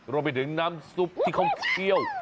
รวมไปถึงน้ำซุปที่เขาเคี่ยว